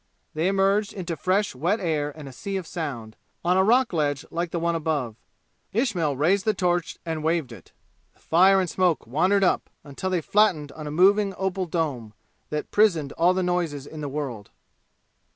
They emerged into fresh wet air and a sea of sound, on a rock ledge like the one above. Ismail raised the torch and waved it. The fire and smoke wandered up, until they flattened on a moving opal dome, that prisoned all the noises in the world.